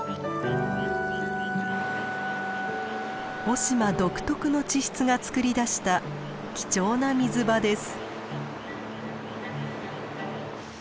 雄島独特の地質がつくり出した貴重な水場です。